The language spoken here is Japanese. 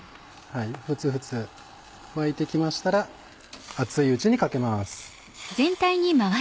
沸々沸いて来ましたら熱いうちにかけます。